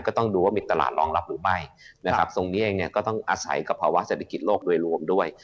ก็ต้องดูว่ามีตลาดร้องรับหรือไม่ทรงเนี่ยก็ต้องอาศัยกภาวะเศรษฐกิจโลกโดยรวมด้วย